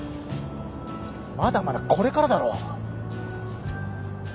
まだまだこれからだろ。